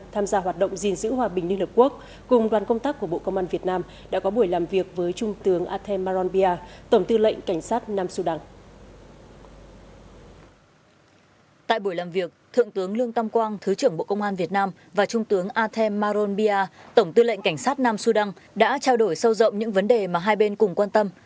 tại buổi làm việc thượng tướng lương tâm quang thứ trưởng bộ công an việt nam và trung tướng athem maron bia tổng tư lệnh cảnh sát nam su đăng đã trao đổi sâu rộng những vấn đề mà hai bên cùng quan tâm